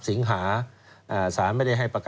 ศิงหาอ่าศาลไม่ได้ให้ประกันตัว